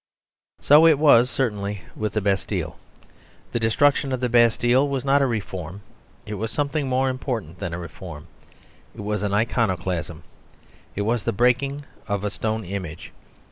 ..... So it was, certainly, with the Bastille. The destruction of the Bastille was not a reform; it was something more important than a reform. It was an iconoclasm; it was the breaking of a stone image.